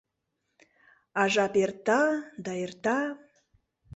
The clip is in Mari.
А жап эрта да эрта.